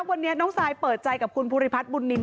วันนี้น้องซายเปิดใจกับคุณภูริพัฒนบุญนิน